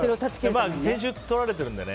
先週、とられてるんでね。